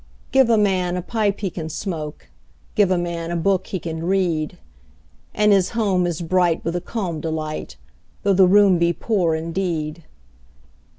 Give a man a pipe he can smoke, 5 Give a man a book he can read: And his home is bright with a calm delight, Though the room be poor indeed.